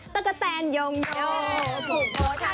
ยังไงคะ